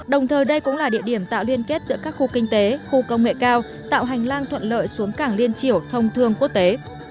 đồng thời đây cũng là địa điểm tạo liên kết giữa các khu kinh tế khu công nghệ cao tạo hành lang thuận lợi xuống cảng liên triểu thông thương quốc tế